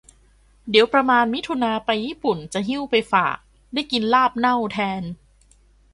เดี๋ยวประมาณมิถุนาไปญี่ปุ่นจะหิ้วไปฝาก ได้กินลาบเน่าแทน